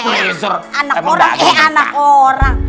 eh anak orang eh anak orang